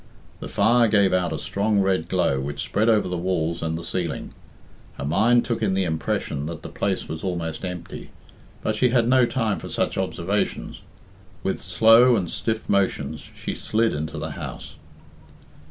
The fire gave out a strong red glow which spread over the walls and the ceiling. Her mind took in the impression that the place was almost empty, but she had no time for such observations. With slow and stiff motions she slid into the house.